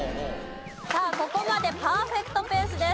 さあここまでパーフェクトペースです。